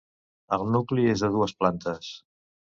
El nucli és de dues plantes.